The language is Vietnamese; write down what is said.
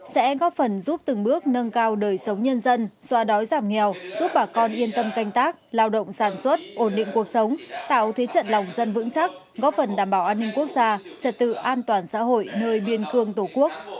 sẽ góp phần giúp từng bước nâng cao đời sống nhân dân xoa đói giảm nghèo giúp bà con yên tâm canh tác lao động sản xuất ổn định cuộc sống tạo thế trận lòng dân vững chắc góp phần đảm bảo an ninh quốc gia trật tự an toàn xã hội nơi biên cương tổ quốc